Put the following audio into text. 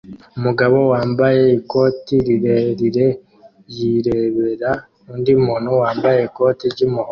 Umugabo wambaye ikote rirerire yirebera undi muntu wambaye ikoti ry'umuhondo